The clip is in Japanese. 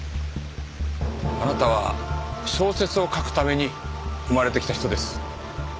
あなたは小説を書くために生まれてきた人です。